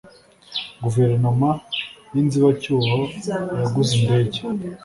guverinoma yinzibacyuho yaguze indege.